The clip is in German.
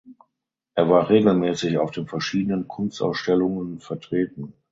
Er war regelmäßig auf den verschiedenen Kunstausstellungen vertreten.